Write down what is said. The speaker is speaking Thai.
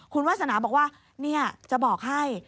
คุณวาสนาบอกว่าจะบอกให้